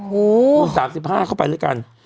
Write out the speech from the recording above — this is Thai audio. คุณ๓๕เข้าไปด้วยกัน